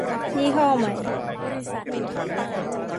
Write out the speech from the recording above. ยี่ห้อใหม่